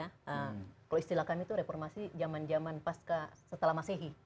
kalau istilah kami itu reformasi zaman zaman pasca setelah masehi